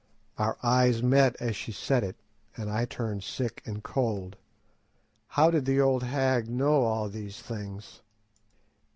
Our eyes met as she said it, and I turned sick and cold. How did the old hag know all these things?